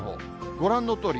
ご覧のとおり。